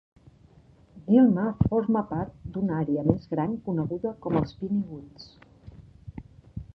Gilmer forma part d'una àrea més gran coneguda com els "Piney Woods".